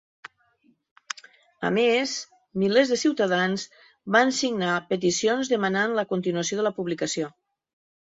A més, milers de ciutadans van signar peticions demanant la continuació de la publicació.